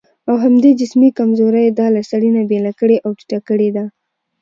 او همدې جسمي کمزورۍ دا له سړي نه بېله کړې او ټيټه کړې ده.